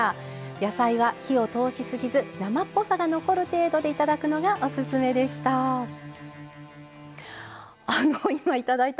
野菜は火を通しすぎず生っぽさが残る程度でいただくのが、オススメでした。